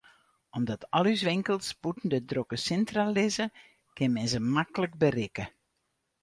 Omdat al ús winkels bûten de drokke sintra lizze, kin men se maklik berikke.